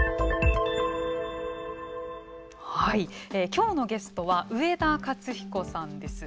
きょうのゲストは上田勝彦さんです。